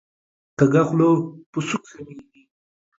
کږه خوله په سوک سمیږي